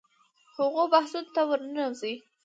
هغو بحثونو ته ورننوځو.